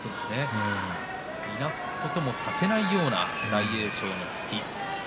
いなすこともさせないような大栄翔の突き。